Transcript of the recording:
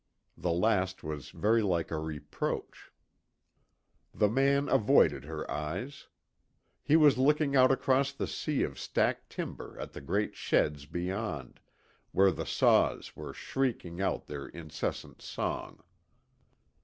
The last was very like a reproach. The man avoided her eyes. He was looking out across the sea of stacked timber at the great sheds beyond, where the saws were shrieking out their incessant song.